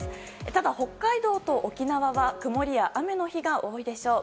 ただ北海道と沖縄は曇りや雨の日が多いでしょう。